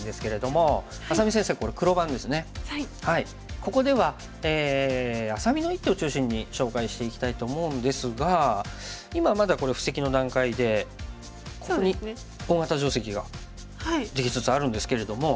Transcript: ここではあさみの一手を中心に紹介していきたいと思うんですが今まだこれ布石の段階でここに大型定石ができつつあるんですけれども。